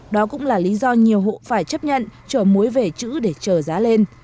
đó cũng là lý do nhiều hộ phải chấp nhận chở muối về chữ để chở giá lên